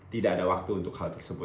tidak ada waktu untuk hal tersebut